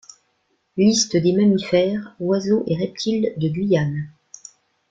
Listes des mammifères, oiseaux et reptiles de Guyane.